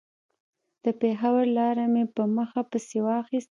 د پېښور لاره مې په مخه پسې واخيسته.